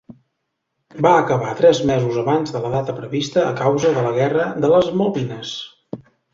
Va acabar tres mesos abans de la data prevista a causa de la guerra de les Malvines.